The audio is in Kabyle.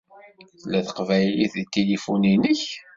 Tella teqbaylit deg tilifu-inek?